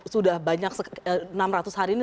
sudah banyak enam ratus hari ini